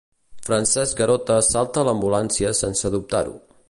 Francesc Garota salta a l'ambulància sense dubtar-ho.